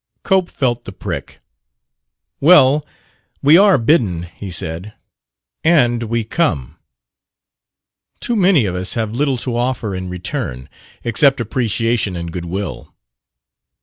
Cope felt the prick. "Well, we are bidden," he said; "and we come. Too many of us have little to offer in return, except appreciation and goodwill.